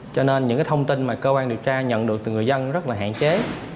cho nên những thông tin mà cơ quan điều tra nhận được từ người dân rất là hạn chế